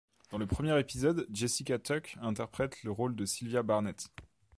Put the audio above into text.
Dans le premier épisode, Jessica Tuck interprète le rôle de Sylvia Barnett.